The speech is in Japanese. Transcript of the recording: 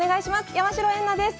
山代エンナです。